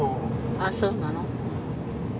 ああそうなの。